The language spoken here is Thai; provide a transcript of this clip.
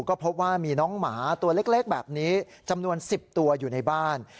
ก็พบว่ามีน้องหมาตัวเล็กแบบนี้จำนวน๑๐ตัวอยู่ในบ้าน